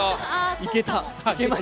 いけた。